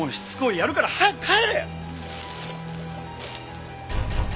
やるから早く帰れ！